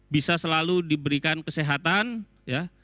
bisa selalu diberikan kesehatan ya